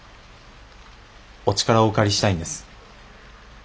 お力をお借りしたいんです。